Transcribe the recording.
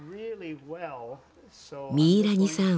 ミイラニさん